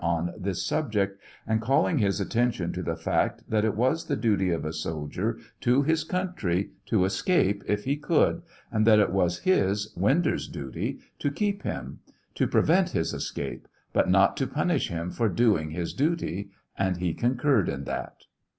on this subject, and calling his attention to the fact that it was the duty of a soldier to his country to escape if he could, and that it was his ( Winder's) duty to keep him ; to pre vent his escape, but not to punish him for doing his duty ; and he concurred in that.